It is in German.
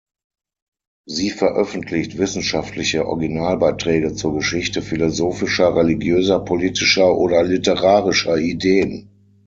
Sie veröffentlicht wissenschaftliche Originalbeiträge zur Geschichte philosophischer, religiöser, politischer oder literarischer Ideen.